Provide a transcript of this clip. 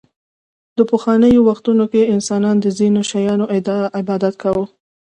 په پخوانیو وختونو کې انسانانو د ځینو شیانو عبادت کاوه